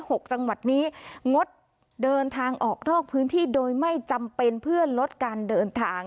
หกจังหวัดนี้งดเดินทางออกนอกพื้นที่โดยไม่จำเป็นเพื่อลดการเดินทาง